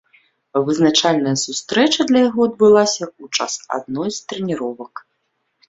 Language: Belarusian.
Вызначальная сустрэча для яго адбылася ў час адной з трэніровак.